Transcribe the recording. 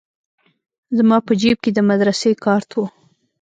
زما په جيب کښې د مدرسې کارت و.